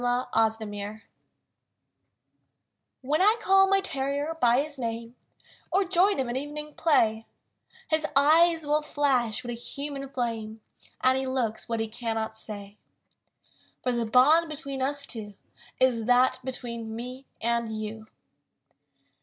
THE BOND When I call my terrier by his name, Or join him at evening play; His eyes will flash with a human flame And he looks what he cannot say; For the bond between us two Is that between me and you!